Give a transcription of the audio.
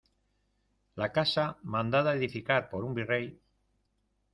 la casa, mandada edificar por un virrey